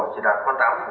chỉ đạt có tám